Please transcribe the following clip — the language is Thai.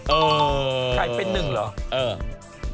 ๔๔เออกลายเป็นหนึ่งเหรอ